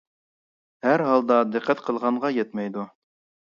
— ھەر ھالدا دىققەت قىلغانغا يەتمەيدۇ.